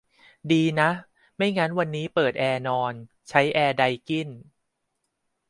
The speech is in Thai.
ดีนะ ไม่งั้นวันนี้ปิดแอร์นอน ใช้แอร์ไดกิ้น